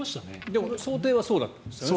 でも想定はそうだったんですよね。